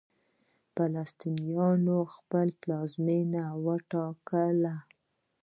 قسطنطنیه یې خپله پلازمېنه وټاکله.